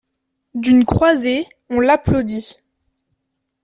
D'une croisée, on l'applaudit.